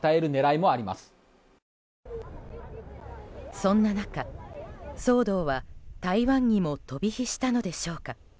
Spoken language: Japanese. そんな中、騒動は台湾にも飛び火したのでしょうか。